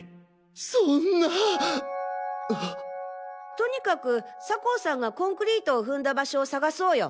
とにかく酒匂さんがコンクリートを踏んだ場所を探そうよ。